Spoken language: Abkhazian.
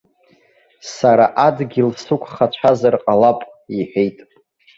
Сара адгьыл сықәхацәазар ҟалап, иҳәеит.